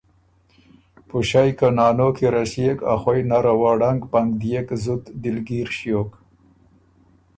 پُݭئ که نانو کی رسيېک ا خوئ نره وه ړنګ پنګ ديېک زُت دِلګیر ݭیوک۔